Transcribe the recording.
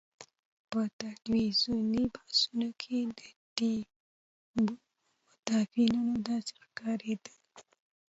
په ټلویزیوني بحثونو کې د ټیمونو مدافعین داسې ښکارېدل.